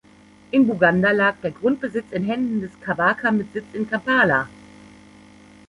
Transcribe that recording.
In Buganda lag der Grundbesitz in Händen des Kabaka mit Sitz in Kampala.